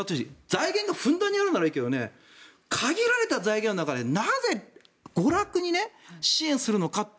財源がふんだんにあるならいいけど限られた財源の中でなぜ、娯楽に支援するのか。